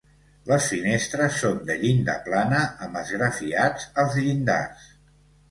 Les finestres són de llinda plana amb esgrafiats als llindars.